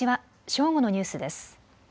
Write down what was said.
正午のニュースです。